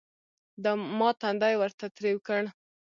ما تندى ورته تريو کړ.